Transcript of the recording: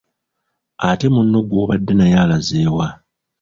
Ate munno gw'obadde naye alaze wa?